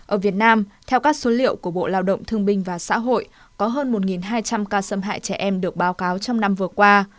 ở việt nam theo các số liệu của bộ lao động thương binh và xã hội có hơn một hai trăm linh ca xâm hại trẻ em được báo cáo trong năm vừa qua